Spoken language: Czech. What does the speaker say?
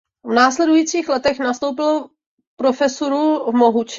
V následujících letech nastoupil profesuru v Mohuči.